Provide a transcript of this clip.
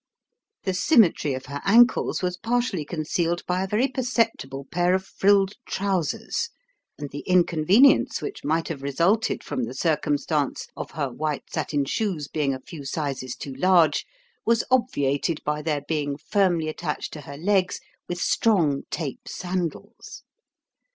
The symmetry of her ankles was partially concealed by a very perceptible pair of frilled trousers ; and the inconvenience which might have resulted from the circumstance of her white satin shoes being a few sizes too large, was obviated by their being firmly attached to her legs with strong tape sandals.